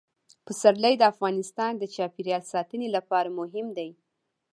پسرلی د افغانستان د چاپیریال ساتنې لپاره مهم دي.